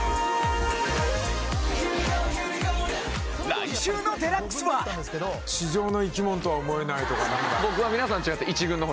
来週の『ＤＸ』は地上の生き物とは思えないとか何か。